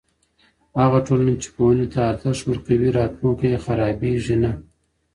هغه ټولنه چې پوهنې ته ارزښت ورکوي، راتلونکی یې خرابېږي نه.